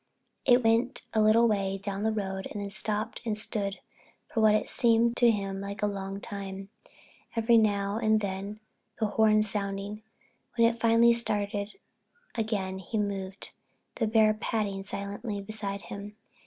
It went a little way down the road and then stopped and stood for what seemed to him a long time, every now and then the horn sounding. When it finally started again he moved on, the bear padding silently beside him.